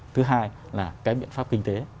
thứ hai là cái biện pháp kinh tế